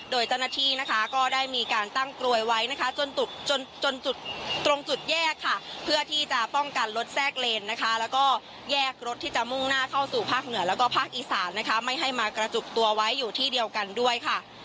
โดยเจ้าหน้าที่นะคะก็ได้มีการตั้งกลวยไว้นะคะจนจนจุดตรงจุดแยกค่ะเพื่อที่จะป้องกันรถแทรกเลนนะคะแล้วก็แยกรถที่จะมุ่งหน้าเข้าสู่ภาคเหนือแล้วก็ภาคอีสานนะคะไม่ให้มากระจุกตัวไว้อยู่ที่เดียวกันด้วยค่ะ